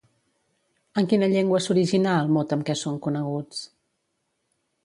En quina llengua s'originà el mot amb què són coneguts?